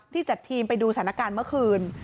จัดทีมไปดูสถานการณ์เมื่อคืน